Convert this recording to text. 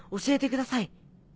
教えてください。